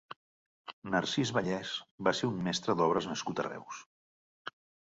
Narcís Vallès va ser un mestre d'obres nascut a Reus.